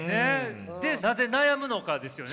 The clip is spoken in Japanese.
でなぜ悩むのかですよね。